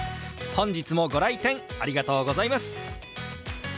本日もご来店ありがとうございます。